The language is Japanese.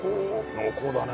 濃厚だね。